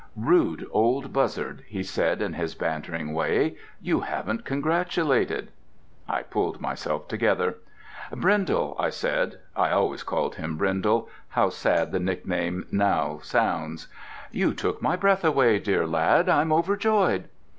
"Rude old Buzzard," he said in his bantering way, "you haven't congratulated!" I pulled myself together. "Brindle," I said—I always called him Brindle; how sad the nickname sounds now—"you took my breath away. Dear lad, I'm overjoyed."